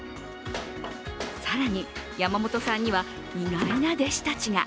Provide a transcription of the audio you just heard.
更に、山本さんには意外な弟子たちが。